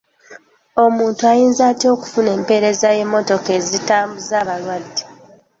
Omuntu ayinza atya okufuna empeereza y'emmotoka ezitambuza abalwadde?